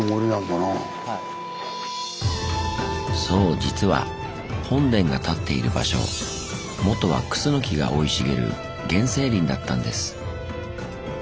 そう実は本殿が建っている場所もとはクスノキが生い茂る原生林だったんです。